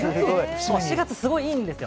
４月、すごいいいんですよ。